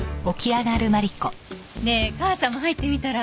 ねえ母さんも入ってみたら？